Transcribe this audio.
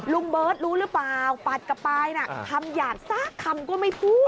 ลุงเบิร์ตรู้หรือเปล่าปัดกลับไปน่ะทำอย่างซากคำก็ไม่พูด